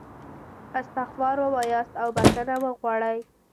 استغفار ووایاست او بخښنه وغواړئ.